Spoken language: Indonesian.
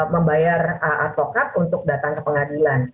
membayar advokat untuk datang ke pengadilan